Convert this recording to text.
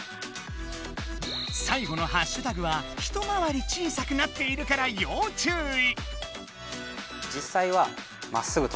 さいごのハッシュタグは一回り小さくなっているから要注意！